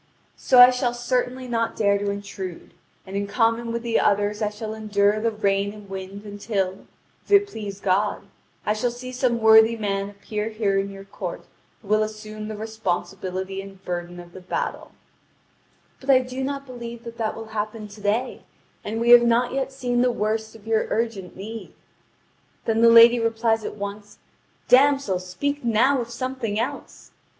So I shall certainly not dare to intrude, and in common with the others I shall endure the rain and wind until, if it please God, I shall see some worthy man appear here in your court who will assume the responsibility and burden of the battle; but I do not believe that that will happen to day, and we have not yet seen the worst of your urgent need." Then the lady replies at once: "Damsel, speak now of something else!